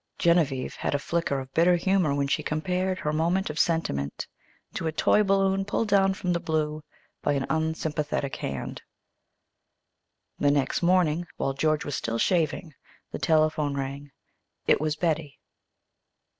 Genevieve had a flicker of bitter humor when she compared her moment of sentiment to a toy balloon pulled down from the blue by an unsympathetic hand. The next morning, while George was still shaving, the telephone rang. It was Betty.